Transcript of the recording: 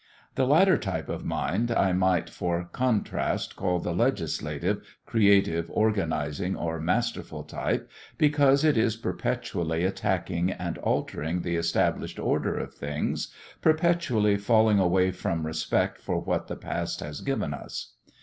The latter type of mind I might for contrast call the legislative, creative, organizing, or masterful type, because it is perpetually attacking and altering the established order of things, perpetually falling away from respect for what the past has given us.